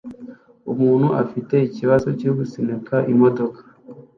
Umuntu afite ikibazo cyo gusunika imodoka